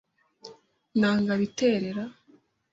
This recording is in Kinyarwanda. Nta ngabo iterera